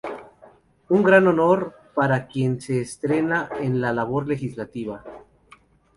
Un gran honor para quien se estrena en la labor legislativa.